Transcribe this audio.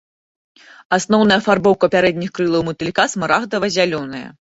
Асноўная афарбоўка пярэдніх крылаў матылька смарагдава-зялёная.